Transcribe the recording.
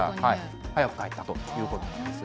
早く返還されたということです。